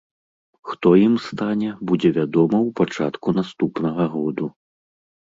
Хто ім стане будзе вядома ў пачатку наступнага году.